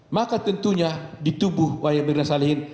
maka tentunya di tubuh wayemirna salihin